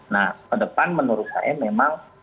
nah ke depan menurut saya memang